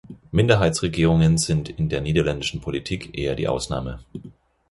Minderheitsregierungen sind in der niederländischen Politik eher die Ausnahme.